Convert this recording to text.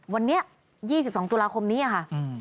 วันนี้๒๒ตุลาคมนี้ค่ะ